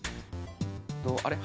どうあれ？